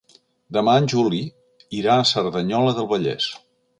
Demà en Juli irà a Cerdanyola del Vallès.